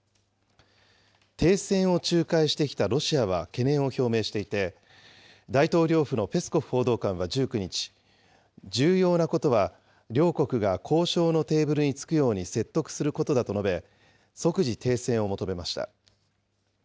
停戦を仲介してきたロシアは懸念を表明していて、大統領府のペスコフ報道官は１９日、重要なことは両国が交渉のテーブルにつくように説得することだと述べ、即時停戦を求めました。